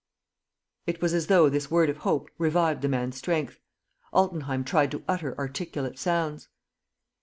..." It was as though this word of hope revived the man's strength. Altenheim tried to utter articulate sounds.